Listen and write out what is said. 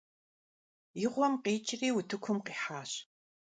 И гъуэм къикӀри утыкум къихьащ.